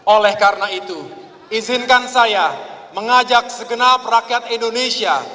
oleh karena itu izinkan saya mengajak segenap rakyat indonesia